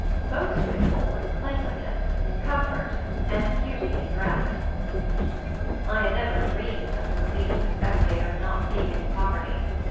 Most visible was cleanliness, comfort, and beauty in dress. I had never dreamed of the relief to the spectator in not seeing any poverty.